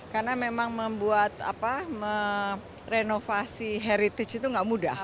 karena memang membuat renovasi heritage itu tidak mudah